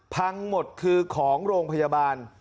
พังหมดคือของโรงพยาบาล